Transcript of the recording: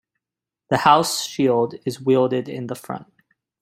The house shield is welded in the front.